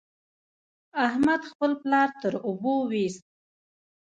احمد خپل پلار تر اوبو وېست.